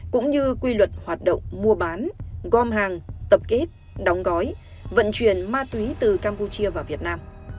cũng như quy luật hoạt động mua bán gom hàng tập kết đóng gói vận chuyển ma túy từ campuchia vào việt nam